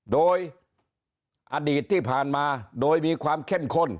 โดยอดีตที่ผ่านมาโดยมีความเข้มข้น